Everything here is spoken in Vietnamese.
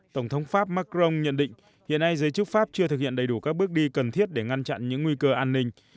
tổng thống pháp macron nhận định hiện nay giới chức pháp chưa thực hiện đầy đủ các bước đi cần thiết để ngăn chặn những nguy cơ an ninh